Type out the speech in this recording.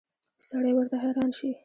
سړی ورته حیران شي.